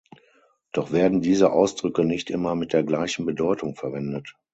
Doch werden diese Ausdrücke nicht immer mit der gleichen Bedeutung verwendet.